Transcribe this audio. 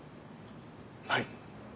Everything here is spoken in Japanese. はい。